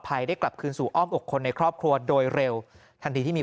ได้กลับคืนสู่อ้อมอกคนในครอบครัวโดยเร็วทันทีที่มี